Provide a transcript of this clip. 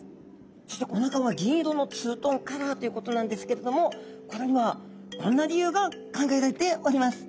そしておなかは銀色のツートンカラーということなんですけれどもこれにはこんな理由が考えられております。